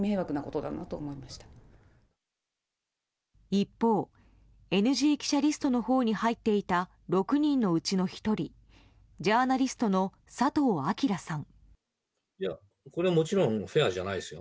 一方、ＮＧ記者リストのほうに入っていた６人のうちの１人ジャーナリストの佐藤章さん。